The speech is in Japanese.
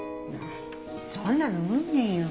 そんなの無理よ。